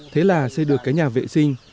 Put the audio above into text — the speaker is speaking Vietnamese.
thế là xây được cái nhà vệ sinh